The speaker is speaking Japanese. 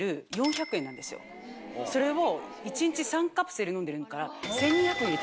それを。